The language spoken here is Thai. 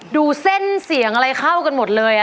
ดูเส้นเสียงอะไรเข้ากันหมดเลย